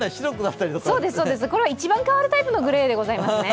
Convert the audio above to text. これは一番変わるタイプのグレーですね。